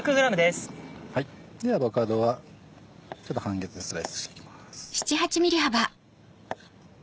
アボカドは半月スライスしていきます。